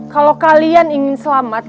kalau kalian ingin selamat